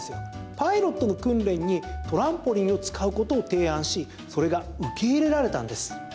パイロットの訓練にトランポリンを使うことを提案しそれが受け入れられたんです。